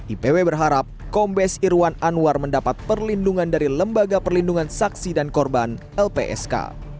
ipw berharap kombes irwan anwar mendapat perlindungan dari lembaga perlindungan saksi dan korban lpsk